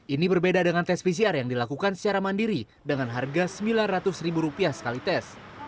ini berbeda dengan tes pcr yang dilakukan secara mandiri dengan harga rp sembilan ratus sekali tes